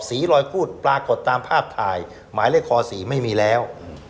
รอยพูดปรากฏตามภาพถ่ายหมายเลขคอ๔ไม่มีแล้ว